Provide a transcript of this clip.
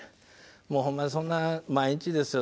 もうホンマにそんな毎日ですよ